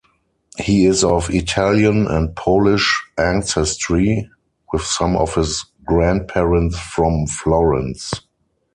He is of Italian and Polish ancestry with some of his grandparents from Florence.